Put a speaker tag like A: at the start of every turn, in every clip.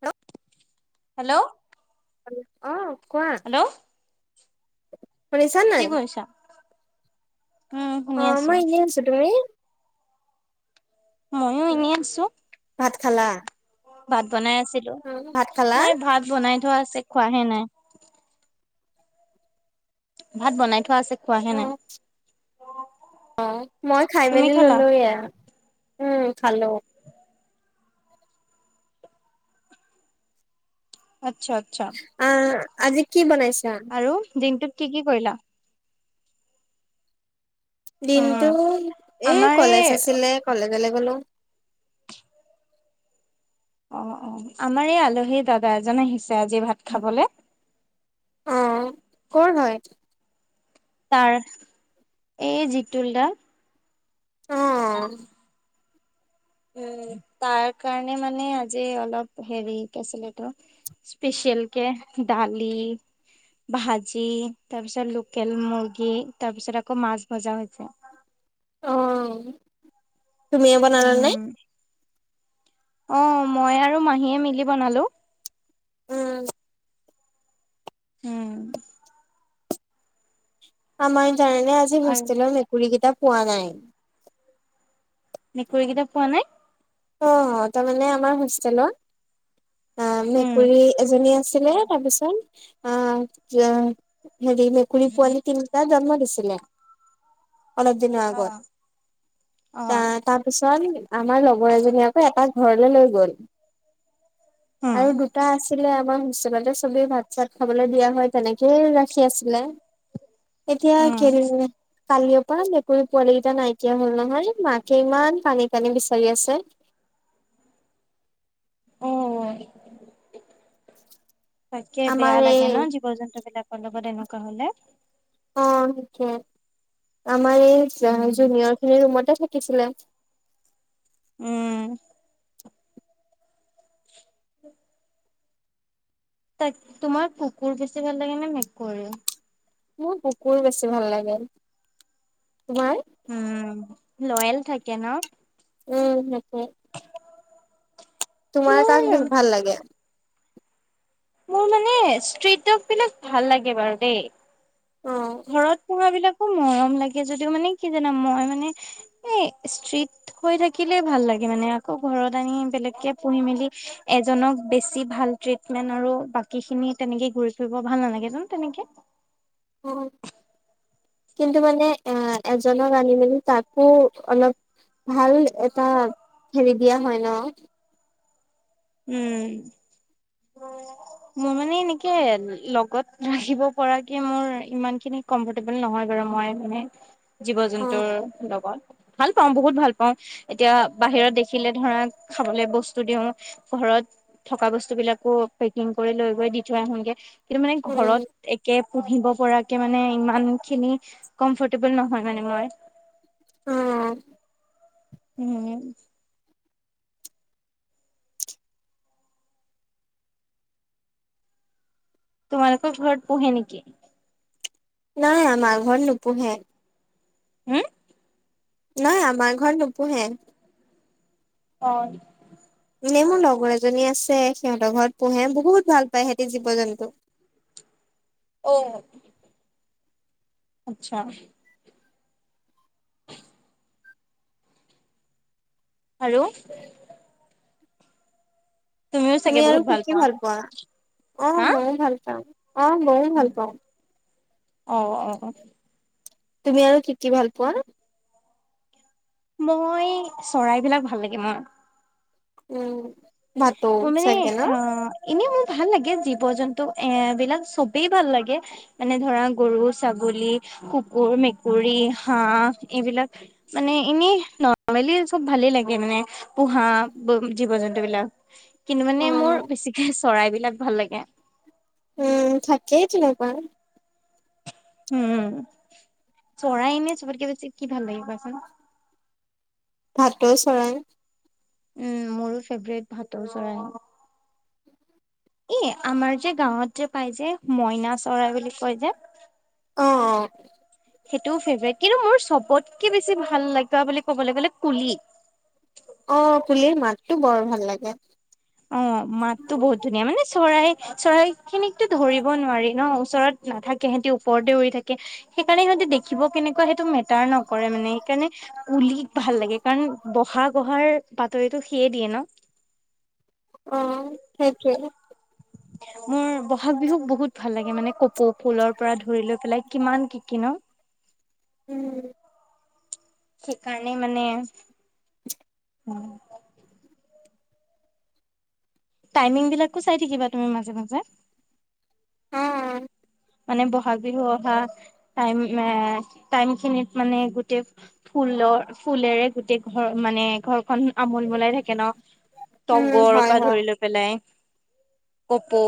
A: Hello
B: hello
A: অ কোৱা।
B: Hello
A: শুনিছা
B: কি
A: নাই?
B: কৰিছা? উম শুনি
A: অ',
B: আছো।
A: মই এনে আছোঁ, তুমি?
B: ময়ো এনেই আছোঁ।
A: ভাত খালা?
B: ভাত বনাই আছিলোঁ,
A: ভাত খালা
B: নাই ভাত বনাই থোৱা আছে। খোৱাহে নাই। ভাত বনাই থোৱা আছে। খোৱাহে নাই।
A: অহ, অহ, মই খাই
B: তুমি
A: মেলি
B: খালা?
A: ল'লো এ আৰু। উম, খালোঁ।
B: আচ্ছা আচ্ছা
A: আহ আজি কি বনাইছা
B: আৰু দিনটোত কি কি কৰিলা
A: দিনটো
B: উম
A: এ
B: আমাৰ এই
A: কলেজ আছিলে কলেজলৈ গলো
B: অ অ আমাৰ এই আলহী দাদা এজন আহিছে আজি ভাত খাবলে
A: অ কৰ হয়
B: তাৰ এই জিতুলডা
A: আহ
B: উ তাৰ কাৰণে মানে আজি অলপ হেৰিছিল স্পেচিয়েলকে দালি ভাজি তাৰপিছত লোকেল মুৰ্গী তাৰপিছত আকৌ মাছ ভজা হৈছে
A: উম তুমি এ বনালানে
B: উম, অ মই আৰু মাহীয়ে মিলি বনালো
A: উম
B: উম
A: আম কাৰণে আজি
B: আৰু
A: হোষ্টেলৰ মেকুৰী কিতাপ পোৱা নাই
B: মেকুৰীকেইটা পোৱা নাই
A: অ তাৰমানে আমাৰ হোষ্টেলৰ অ
B: উম
A: মেকুৰী এজনী আছিলে তাৰপিছত অ ছা হেৰি মেকুৰী পুৱালি তিনিটা জন্ম দিছ ছিলে। অলপ দিনৰ
B: অ
A: আগত,
B: অ
A: তা তাৰপিছত আমাৰ লগ কৰিপিনে আকৌ এটাক ঘৰলৈ লৈ গ'ল।
B: উম
A: আৰু দুটা আছ টিলে আমাৰ হোষ্টেলতে চবেই ভাত চাত খাবলৈ দিয়া হয় তেনেকেই ৰাখি আছিলে। এতিয়া
B: উম
A: [unintelligible] কালিৰ পৰা মেকুৰী পোৱালী কেইটা নাইকিয়া হল নহয় মাকে ইমান কানী কানি বিচাৰি আছে হ
B: উ তাকে
A: আমাৰ
B: বেয়া
A: এই
B: লাগে ন জীৱ জন্তু বিলাকৰ লগতে তেনে কলে
A: অ সিকে আমাৰ এই
B: উম
A: জুনিয়ৰ খিনিৰ ৰুমতে থাকিছিলে
B: উম তাক তোমাৰ কুকুৰ বেছি ভাল লাগে নে মেকুৰী ও
A: মোৰ কুকুৰ বেছি ভাল লাগে তোমাৰ
B: উম লয়েল থাকে ন
A: উম সেইটো তোমাৰ কণ [unintelligible] ব
B: মোৰ
A: ভাল লাগে
B: মোৰ মানে ষ্টীট [unintelligible] বিলাক ভাল লাগে বাৰু দেই
A: অ
B: ঘৰত পো়হা বিলাক খু মৰম লাগে যদিও মানে কি জানা মই মানে এই ষ্ট্ৰীট হৈ থাকিলে ভাল লাগে মানে আকৌ ঘৰত আনি বেলেগকে পঢ়ি মেলি এজনক বেছি ভাল ট্ৰিটমেন্ট আৰু বাকী খিনি তেনেকে ঘূৰি ফুৰিব ভাল নালাগে জানো তেনেকে
A: উম কিন্তু মানে এ এজনক আনি মেলি তাকো অলপ ভাল এটা খেলি দিয়া হয় অ
B: উম মোৰ মানে এনেকে লগত ৰাখিব পৰাকে মোৰ ইমান খিনি কমফৰ্টেবল নহয় বাৰু মই মানে জীৱ
A: অ
B: জন্তুৰ লগত ভাল পাওঁ বহুত ভাল পাওঁ এতিয়া বাহিৰত দেখিলে ধৰা খাবলে বস্তু দিওঁ ঘৰত থকা বস্তু বিলাকো পেকিং কৰি লৈ গৈ দি থৈ আহনগে কিন্তু মানে
A: উম
B: ঘৰত একে পুহিব পৰাকে মানে ইমান খিনি কমফৰ্টেবল নহয় মানে মই
A: অ
B: উম তোমালোকৰ ঘৰত পোহছ নেকি
A: নাই আমাৰ ঘৰত নুপোহে
B: হে
A: নাই আমাৰ ঘৰত নুপোহে
B: অ
A: মানে মোৰ লগৰ এজনী আছে সিহঁতৰ ঘৰত পোহে বহুত ভাল পায় সিহতি জীৱ জন্তু
B: অ আচ্ছা আৰু তুমিও চাগে
A: তুমি আৰু
B: বহুত
A: কি কি
B: পোৱা
A: ভাল পোৱা আহ
B: হা
A: ময়ও ভাল পাও অ ময়ও ভাল পাওঁ
B: অ অ
A: তুমি আৰু কি কি ভাল পোৱা?
B: মই চৰাইবিলাক ভাল লাগে মোৰ।
A: উম। ভাটৌ
B: মই মানে
A: চাগে ন
B: অ' এনে [unintelligible] ভাল লাগে জীৱ জন্তু এ - বিলাক চবেই ভাল লাগে, মানে ধৰা গৰু, ছাগলী, কুকুৰ, মেকুৰী, হাঁহ এইবিলাক মানে এনেই নৰ্মেলি চব ভালেই লাগে মানে। পোহা জীৱ জন্তু বিলাক। কিন্তু মানে
A: অ
B: মোৰ বেছিকে চৰাইবিলাক ভাল লাগে।
A: উম, থাকেই তেনেকুৱা।
B: উম, চৰাই এনে চবতকে বেছি কি ভাল লাগে কোৱাচোন?
A: ভাটৌ চৰাই।
B: উম, মোৰো ফেভৰেট ভাটৌ চৰাই। এ আমাৰ যে গাঁৱত যে পাই যে মইনা চৰাই বুলি কয় যে
A: অঁ।
B: সেইটোও ফেভৰেট কিন্তু মোৰ চবতকে বেছি ভাল লাগা বুলি ক'বলে গ'লে কুলি।
A: টো বৰ ভাল লাগে।
B: অ' মাততো বহুত ধুনীয়া মানে চৰাই - চৰাই খিনিকতো ধৰিব নোৱাৰি ন' ওচৰত নাথাকে সেঁহেতি ওপৰতে উৰি থাকে, সেইকাৰণে সিহতে দেখিব কেনেকুৱা সেইটো মেটাৰ নকৰে মানে। সেইকাৰণে কুলিক ভাল লাগে কাৰণ বহাগ অহাৰ বাতৰিটো সিয়ে দিয়ে ন।
A: অ' সেইটোৱে।
B: মোৰ বহাগ বিহুক বহুত ভাল লাগে মানে কপৌ ফুলৰ পৰা ধৰি লৈ পেলাই কিমান কি কি ন!
A: উম।
B: সেইকাৰণে মানে টাইমিং বিলাকো চাই থাকিবা তুমি মাজে মাজে
A: অঁ।
B: মানে ব'হাগ বিহু অহা টাইম এ - টাইম খিনিত মানে গোটেই ফুলৰ - ফুলেৰে গোটেই ঘৰ মানে ঘৰখন আমোল মোলাই থাকে ন'
A: উম
B: তগৰৰ
A: হয়
B: পৰা
A: হয়
B: ধৰি লৈ পেলাই। কপৌ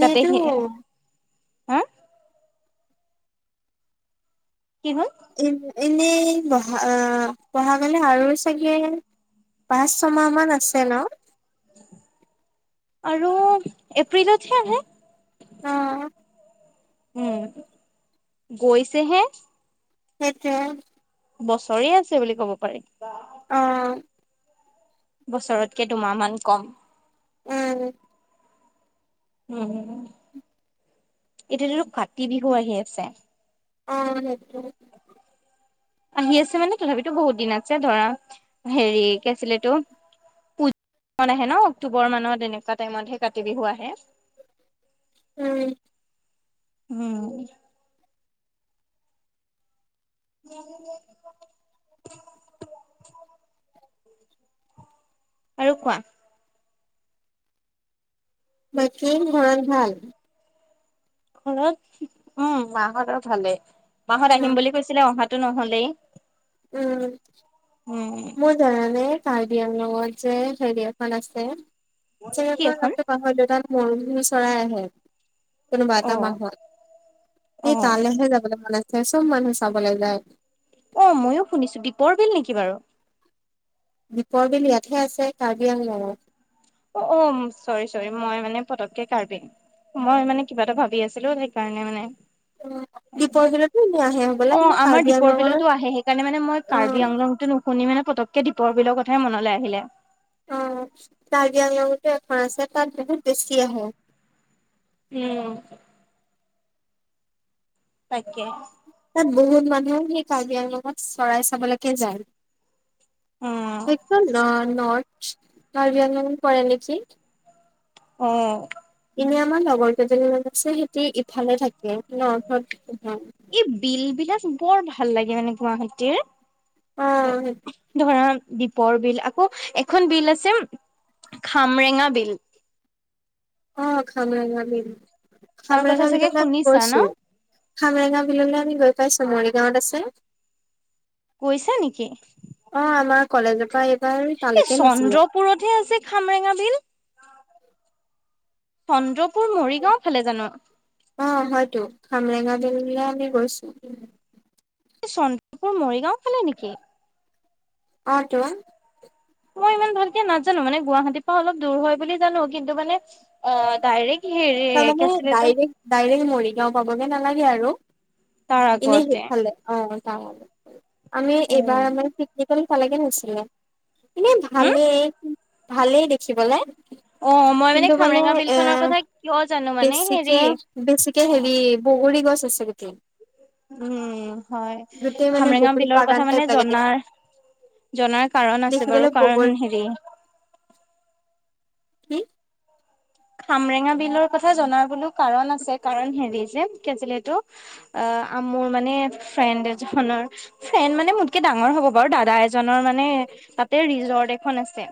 B: যাতে সি হা কি হ'ল?
A: এ - এনেই বহা‌ - অ- বহাগলে আৰু চাগে পাঁচ, ছমাহ মান আছে ন?
B: আৰু এপ্ৰিলতহে আহে।
A: [inaudible]
B: উম, গৈছেহে।
A: সেইটোৱে।
B: বছৰে আছে বুলি ক'ব পাৰি।
A: অঁ।
B: বছৰতকে দুমাহ মান কম।
A: উম।
B: উম। এতিয়া তটো কাতি বিহু আহি আছে।
A: অ' সেইটো।
B: আহি আছে মানে তথাপিতো বহুত দিন আছে ধৰা, হেৰি কি আছিল এইটো [unintelligible] আহে ন অক্টোবৰ মানত এনেকুৱা টাইমতহে কাতি বিহু আহে।
A: উম।
B: উম উ [inaudible] আৰু কোৱা
A: বাকী ঘৰত ভাল
B: ঘৰত উম মাহঁতৰ ভালে মাহত
A: অ
B: আহিম বুলি কৈছিলে অহা টো নহ'লেই
A: উম মোৰ জানানে চাৰদিয়া লগত যে চাইদিয়াখন আছে
B: কি
A: জেগাডোখৰ
B: এখন?
A: নামটো পাহৰিলো তা পৰিভ্ৰমী চৰাই আহে কোনোবা এটা মাহত সেই তালেহে যাবলে ভাল আছিলে সেইচব মানুহে চাব লে যায়
B: অ ময়ো শুনিছো দীপৰ বিল নেকি বাৰু
A: দীপৰ বিল ইয়াতহে আছে কাৰ্বি আং লঙত
B: অ অ চৰি চৰি মই মানে পতককে কাৰ্বি মই মানে কিবা এটা ভাবি আছিলো সেইকাৰণে মানে
A: দীপৰ বিলতো এনে আহে
B: অ
A: হ'বলা কিন্তু
B: আমাৰ
A: কাৰ্বি
B: দীপৰ
A: আংলঙৰ
B: বিলতো আহে সেই কাৰণে মানে মই
A: অ
B: কাৰ্বি আংলংতো নু শুনি মানে পতককে দীপৰ বিলৰ কথাই মনলে আহিলে
A: অ কাৰ্বি আং লঙতো এখন আছে তাত বহুত বেছি আহে
B: উম তাকে
A: বহুত মানুহো সেই কাৰ্বি আংলঙত চৰাই চাবলেকে যায়
B: অ
A: সেইটো ন নৰ্থ কাৰ্বি আং লঙত পৰে নেকি
B: অ
A: এনে আমাৰ লগৰ কেইজনী মান আছে সেতি ইফালে থাকে থাকে [inaudible]
B: এই বিল বিলাক বৰ ভাল লাগে মানে
A: অ
B: গুৱাহাটীৰ ধৰা দী বৰ বিল আকৌ এখন বিল আছে খামৰেঙা বিল
A: অ খানা গালি উমহ
B: তাৰ কথা চাগে শুনিছা ন
A: প্ৰায় চুমৰি গাঁৱত আছে
B: গৈছা নেকি
A: অ আমাৰ কলেজৰ পৰা এই
B: এই চন্দ্ৰপুৰতহে আছে খামৰেঙা বিল চন্দ্ৰ পুৰ মৰিগাঁও ফালে জানো
A: খামেঙা বিললে আমি গৈছো
B: এই চন্দ্ৰপুৰ মৰিগাঁও ফালে নেকি
A: অ টো
B: মই ইমান ভালকে নাজানো মানে গুৱাহাটীৰ পৰা অলপ দূৰ হয় বুলি জানো কিন্তু মানে অ', ডাইৰেক্ট হেৰি
A: তাৰ
B: কি
A: মানে
B: আছিলে এইটো
A: ডাইৰেক্ট, ডাইৰেক্ট মৰি গাওঁ পাবগে নালাগে আৰু
B: তাৰ
A: এনে
B: আগতে
A: সেইফালে অ'। অ'। আমি
B: অ
A: এইবাৰ আমাৰ পিকনিক ভালোগে নছিলে এনেই
B: হম
A: ভালেই। ভালেই দেখিবলে।
B: অ', মই মানে
A: কিন্তু
B: খামৰেঙা বিল
A: এ
B: খনৰ কথা কিয় জানো মানে হেৰি
A: বেছিকে বেছিকে
B: অ
A: হেৰি বহু পুৰি গছ আছে গটি
B: উম, হয়
A: মানে
B: খামৰেঙা
A: বগৰী
B: বিলৰ
A: বাগান
B: কথা
A: টাইপ
B: মানে
A: লাগে দেখি
B: জনাৰ জনাৰ কাৰণ আছে বাৰু
A: দেখিবলৈ
B: কাৰণ
A: বগৰী
B: হেৰি
A: কি?
B: খামৰেঙা বিলৰ কথা জনা বোলো কাৰণ আছে কাৰণ হেৰি যে কি আছিলে এটো মোৰ মানে ফ্ৰেণ্ড এজনৰ ফ্ৰেণ্ড মানে মোতকে ডাঙৰ হ'ব বাৰু দাদা এজনৰ মানে তাতে ৰিজৰ্ট এখন আছে।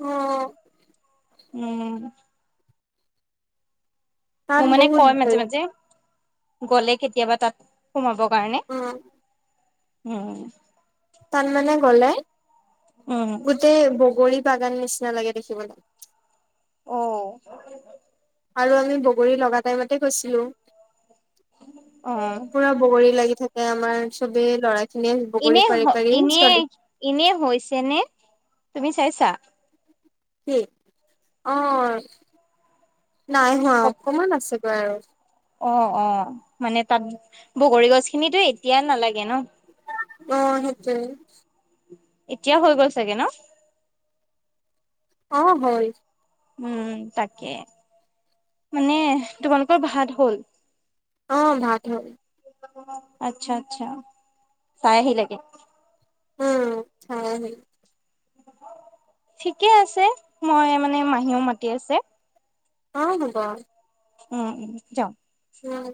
A: অ'।
B: উম। ম
A: তাত
B: মানে
A: বহুত
B: কয় মাজে
A: ভিৰ
B: মাজে। গ'লে কেতিয়াবা তাত সোমাব কাৰণে
A: উম।
B: উম।
A: তান মানে গ'লে
B: উম
A: গোটেই বগৰী বাগান নিচিনা লাগে দেখিবলৈ।
B: অ'।
A: আৰু আমি বগৰী লগা টাইমতে গৈছিলোঁ।
B: অ
A: পুৰা বগৰী লাগি থাকে আমাৰ চবে ল'ৰাই
B: এনে, এনে, এনে হৈছে নে তুমি? চাইচা?
A: কি? অ' নাই হোৱা অকমান আছে। ব' আৰু
B: অ', অ', মানে তাত বগৰী গছ খিনিতো এতিয়া নালাগে ন'।
A: অ', সেইটোৱে।
B: এতিয়া হৈ গ'ল চাগে ন'?
A: অ', হয়।
B: উম তাকে মানে তোমালোকৰ ভাত হ'ল।
A: অ ভাত হল।
B: আচ্ছা আচ্ছা চাই আহি লাগে
A: উম সেই
B: ঠিকে আছে মই মানে মাহীও মাতি আছে।
A: অ হব।
B: উম উম যাওহ
A: উম।